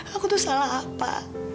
aku tuh salah apa